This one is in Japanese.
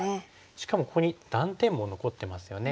しかもここに断点も残ってますよね。